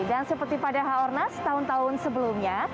dan seperti pada h o r n a s tahun tahun sebelumnya